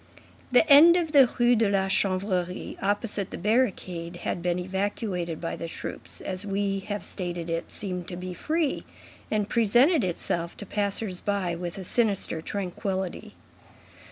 The end of the Rue de la Chanvrerie, opposite the barricade, had been evacuated by the troops, as we have stated, it seemed to be free, and presented itself to passers by with a sinister tranquillity.